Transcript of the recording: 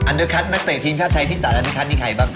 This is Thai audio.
เดอร์คัทนักเตะทีมชาติไทยที่ตัดอันเดอร์คัดนี่ใครบ้าง